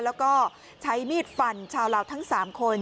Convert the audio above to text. แล้วก็ใช้มีดฟันชาวลาวทั้ง๓คน